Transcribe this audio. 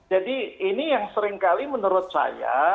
jadi ini yang seringkali menurut saya